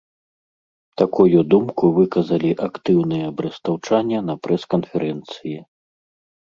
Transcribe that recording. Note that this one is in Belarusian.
Такую думку выказалі актыўныя брэстаўчане на прэс-канферэнцыі.